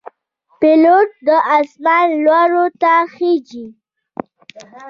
پیلوټ د آسمان لوړو ته خېژي.